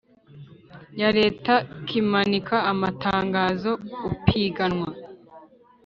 ya Leta kimanika amatangazo Upiganwa